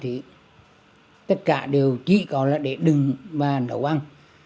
thì tất cả đều chỉ có là để đừng và nấu ăn